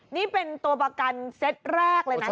นี่เป็นตัวประกันเซตแรกเลยนะ